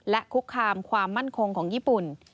และคุกคามความมั่นคงของญี่ปุ่น